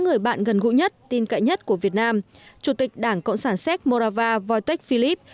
người bạn gần gũi nhất tin cậy nhất của việt nam chủ tịch đảng cộng sản séc morava wojtek filip